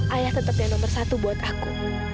ayah tetap yang nomor satu buat aku